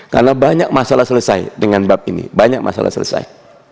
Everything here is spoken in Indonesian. karena banyak masalah selesai dengan bab ini banyak masalah selesai